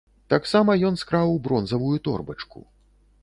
Таксама ён скраў бронзавую торбачку.